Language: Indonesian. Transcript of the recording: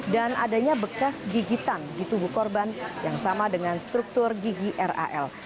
dan adanya bekas gigitan di tubuh korban yang sama dengan struktur gigi ral